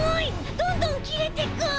どんどんきれてく！